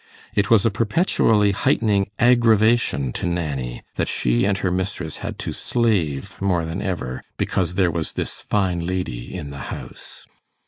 It was a perpetually heightening 'aggravation' to Nanny that she and her mistress had to 'slave' more than ever, because there was this fine lady in the house.